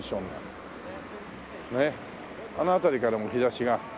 あの辺りからも日差しが。